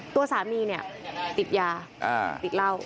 ตัวสามีติดยาติดเล่า